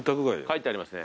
書いてありますね。